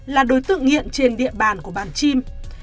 là đối tượng nghiện trên địa bàn của bản chim